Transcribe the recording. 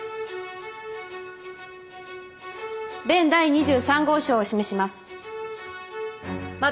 弁第２３号証を示します。